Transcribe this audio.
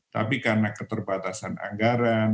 tapi karena keterbatasan anggaran